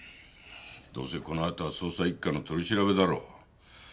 どうせこのあとは捜査一課の取り調べだろ。